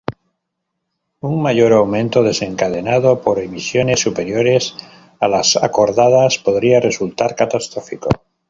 Un mayor aumento, desencadenado por emisiones superiores a las acordadas, podría resultar catastrófico.